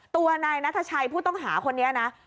ตัวนายนัทชัยผู้ต้องหาคนนี้นะ